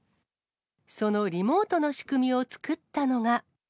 そのリモートの仕組みを作ったのが。